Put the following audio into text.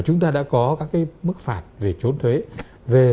chúng ta đã có các mức phạt về chốn thuế